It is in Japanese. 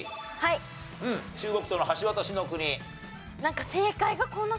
中国との橋渡しの国。